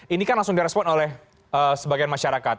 ini kan langsung direspon oleh sebagian masyarakat